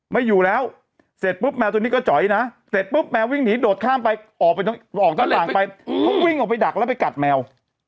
ไม่อยู่แล้วเสร็จปุ๊บแมวตัวนี้ก็จ๋อยนะเสร็จปุ๊บแมววิ่งหนีโดดข้ามไปออกไปออกด้านหลังไปเขาวิ่งออกไปดักแล้วไปกัดแมว